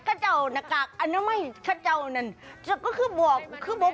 ข้อนากากอนามัยหน่อยค้า